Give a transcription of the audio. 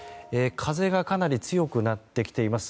風がかなり強くなってきています。